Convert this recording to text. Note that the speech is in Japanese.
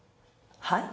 はい？